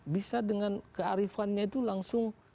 bisa dengan kearifannya itu langsung